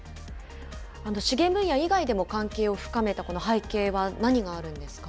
資源分野以外でも関係を深めたこの背景は何があるんですか。